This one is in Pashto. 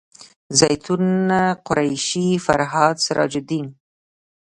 زیتونه قریشي فرهاد سراج الدین